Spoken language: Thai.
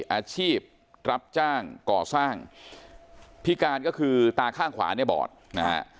อาชีพรับจ้างก่อสร้างพิการก็คือตาข้างขวาเนี่ยบอดนะฮะ